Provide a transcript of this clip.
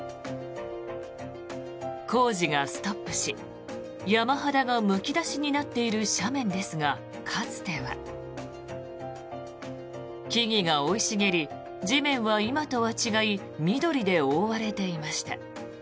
工事がストップし山肌がむき出しになっている斜面ですがかつては、木々が生い茂り地面は今とは違い緑で覆われていました。